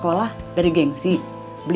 kalau kalian pilihan